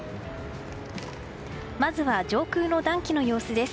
まずは上空の暖気の様子です。